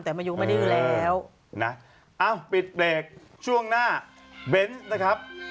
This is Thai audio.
แต่มายุไม่ได้อยู่แล้วนะเอ้าปิดเบรกช่วงหน้าเบนส์นะครับ